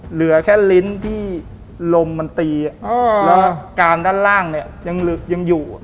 เหลือแค่ลิ้นที่ลมมันตีแล้วการด้านล่างเนี่ยยังอยู่